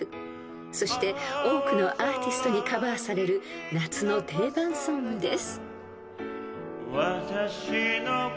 ［そして多くのアーティストにカバーされる夏の定番ソングです］